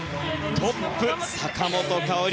トップ、坂本花織。